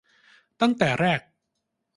ตั้งแต่แรก